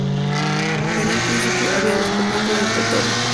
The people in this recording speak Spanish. En un principio, había dos prefectos del pretorio.